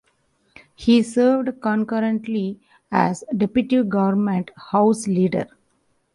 He served concurrently as deputy government House Leader.